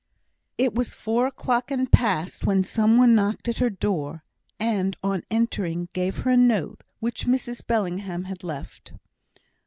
It was four o'clock and past, when some one knocked at her door, and, on entering, gave her a note, which Mrs Bellingham had left.